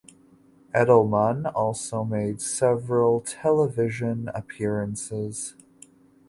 Edelmann also made several television appearances.